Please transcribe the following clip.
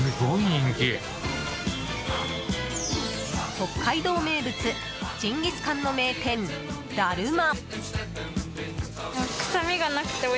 北海道名物ジンギスカンの名店だるま。